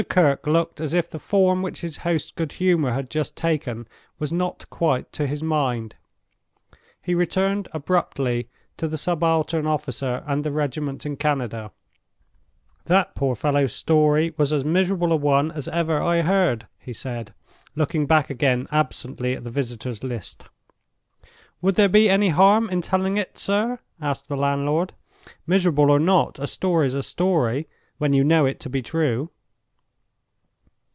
Kirke looked as if the form which his host's good humor had just taken was not quite to his mind. He returned abruptly to the subaltern officer and the regiment in Canada. "That poor fellow's story was as miserable a one as ever I heard," he said, looking back again absently at the visitors' list. "Would there be any harm in telling it, sir?" asked the landlord. "Miserable or not, a story's a story, when you know it to be true."